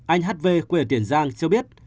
anh hv quyền tiền giang cho biết